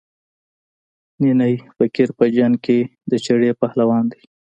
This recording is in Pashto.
نینی فقیر په جنګ کې د چړې پهلوان دی.